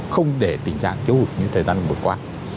không để tình trạng thiếu hụt như thời gian vừa qua